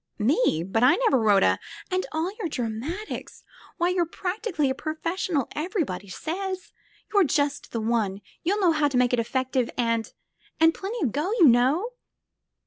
"Me? But I never wrote a " "And all your dramatics! Why, you're practically a professional, everybody says! You're just the one! You'll know just how to make it eflfective and ... and plenty of go, you know."